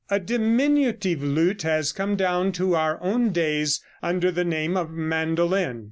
A diminutive lute has come down to our own days under the name of Mandolin.